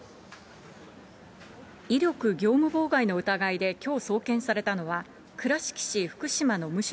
威力業務妨害の疑いできょう送検されたのは、倉敷市福島の無職、